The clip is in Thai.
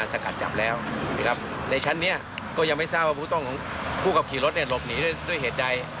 ในชั้นนี้ก็ยังไม่ทราบว่าผู้กลับขี่รถหลบหนีด้วยเหตุใด